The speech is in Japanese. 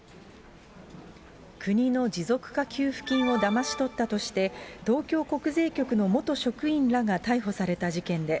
国の持続化給付金をだまし取ったとして、東京国税局の元職員らが逮捕された事件で、